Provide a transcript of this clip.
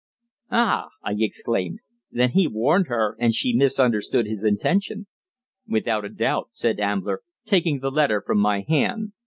"Ah!" I exclaimed. "Then he warned her, and she misunderstood his intention." "Without a doubt," said Ambler, taking the letter from my hand.